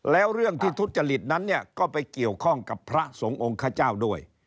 แล้วเรื่องที่ทุจริตนั้นเนี่ยก็ไปเกี่ยวข้องกับพระสงฆ์องค์ขเจ้าด้วย